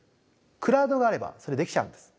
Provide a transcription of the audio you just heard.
クラウドがあればそれできちゃうんです。